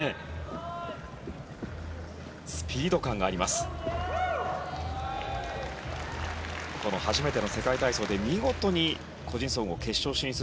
この初めての世界体操で見事に個人総合決勝進出。